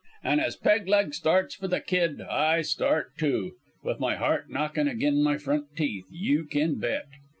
An' as Peg leg starts for the kid I start, too with my heart knockin' agin my front teeth, you can bet.